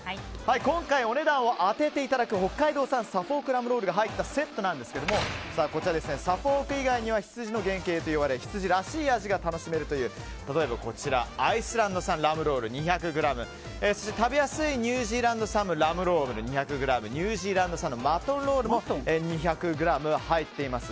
今回、お値段を当てていただく北海道産サフォークラムロールが入ったセットですがサフォーク以外には羊の原型といわれ羊らしい味が楽しめるという例えばアイスランド産ラムロール２００ｇ食べやすいニュージーランド産ラムロール、２００ｇニュージーランド産マトンロールも２００ｇ入っています。